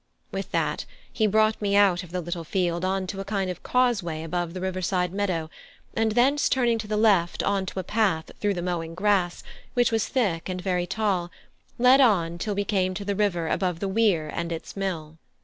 With that he brought me out of the little field on to a kind of causeway above the river side meadow, and thence turning to the left on to a path through the mowing grass, which was thick and very tall, led on till we came to the river above the weir and its mill.